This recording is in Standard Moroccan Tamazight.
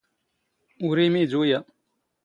ⵓⵔ ⵉⵎⵉⴷ ⵓⵢⴰ.